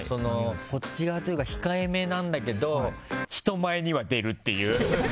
こっち側というか控えめなんだけど人前には出るっていう。